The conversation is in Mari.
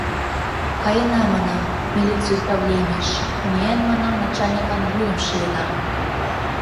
Каена, манам, милиций управленийыш; миен, манам, начальниклан вуйым шийына...